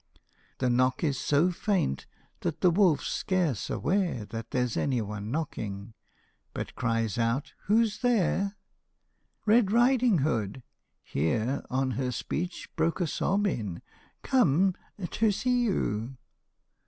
The knock is so faint, that the wolf's scarce aware That there 's any one knocking, but cries out, " Who 's there ? 39 LITTLE RED RIDING HOOD. " Red Riding Hood " here on her speech broke a sob in " Come to see you."